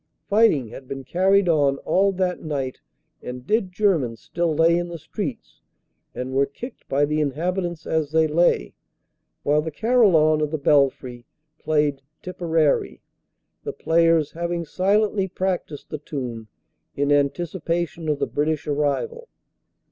Fighting had been carried on all that night and dead Germans still lay in the streets and were kicked by the inhabitants as they lay, while the carillon of the belfry played "Tipperary" the players having silently practised the tune in anticipation of the British arrival.